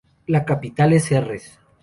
La capital es Serres.